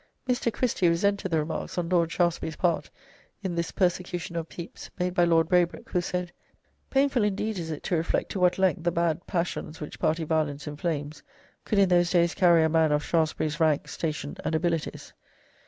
Mr. Christie resented the remarks on Lord Shaftesbury's part in this persecution of Pepys made by Lord Braybrooke, who said, "Painful indeed is it to reflect to what length the bad passions which party violence inflames could in those days carry a man of Shaftesbury's rank, station, and abilities."